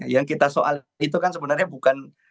yang kita soal itu kan sebenarnya bukan